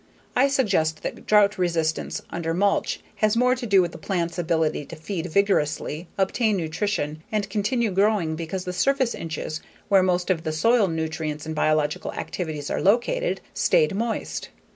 I suspect that drought resistance under mulch has more to do with a plant's ability to feed vigorously, obtain nutrition, and continue growing because the surface inches where most of soil nutrients and biological activities are located, stayed moist.